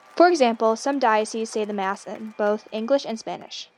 For example, some dioceses say the Mass in both English and Spanish.